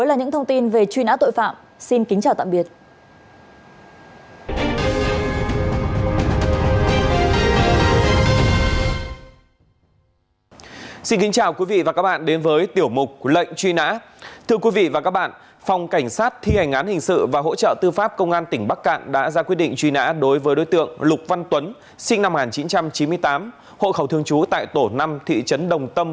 đối tượng lục văn tuấn sinh năm một nghìn chín trăm chín mươi tám hộ khẩu thương chú tại tổ năm thị trấn đồng tâm